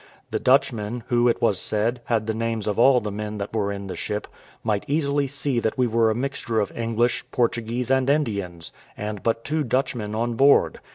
The Dutchmen, who, it was said, had the names of all the men that were in the ship, might easily see that we were a mixture of English, Portuguese, and Indians, and but two Dutchmen on board.